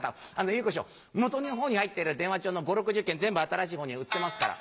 「祐子師匠元の方に入ってる電話帳の５６０件全部新しい方に移せますから」。